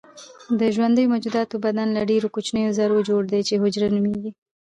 د ژوندیو موجوداتو بدن له ډیرو کوچنیو ذرو جوړ دی چې حجره نومیږي